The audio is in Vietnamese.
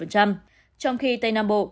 trong khi tây nam bộ